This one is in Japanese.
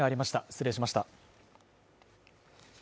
失礼しました。